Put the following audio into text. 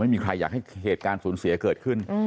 ไม่มีใครอยากให้เหตุการณ์สูญเสียเกิดขึ้น